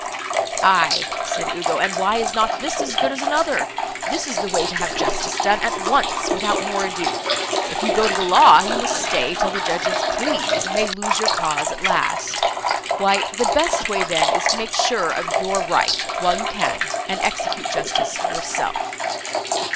"Aye," said Ugo, "and why is not this as good as another? This is the way to have justice done at once, without more ado. If you go to law, you must stay till the judges please, and may lose your cause, at last. Why the best way, then, is to make sure of your right, while you can, and execute justice yourself."